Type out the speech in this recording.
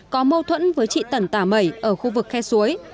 có mâu thuẫn với trị tẩn tà mẩy ở khu vực khe suối